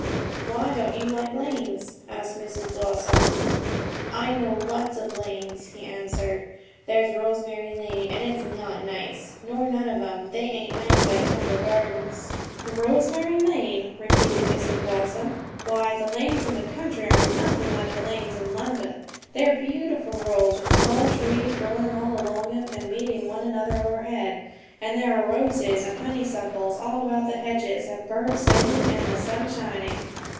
'Why don't you like lanes?' asked Mrs Blossom. 'I know lots of lanes,' he answered. 'There's Rosemary Lane, and it's not nice, nor none of 'em. They ain't nice like Temple Gardens.' 'Rosemary Lane!' repeated Mrs Blossom. 'Why, the lanes in the country are nothing like the lanes in London. They're beautiful roads, with tall trees growing all along 'em, and meeting one another overhead; and there are roses and honeysuckles all about the hedges, and birds singing, and the sun shining.